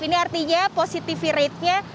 ini artinya positivity ratenya